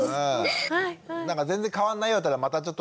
なんか全然変わんないようだったらまたちょっと教えて。